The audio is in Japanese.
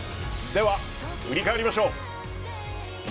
では、振り返りましょう。